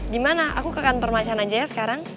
dimana aku ke kantor macan aja ya sekarang